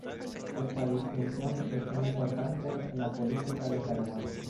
Esta distinción es muy importante en la política de Taiwán.